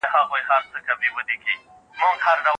خاطرې مو د ژوند یو درس دی.